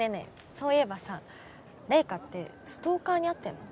そういえばさ零花ってストーカーに遭ってんの？